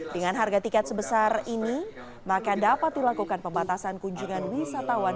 dengan harga tiket sebesar ini maka dapat dilakukan pembatasan kunjungan wisatawan